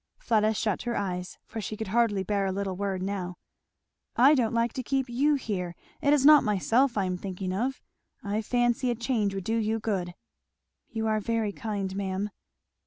Fleda shut her eyes, for she could hardly bear a little word now. "I don't like to keep you here it is not myself I am thinking of. I fancy a change would do you good." "You are very kind, ma'am."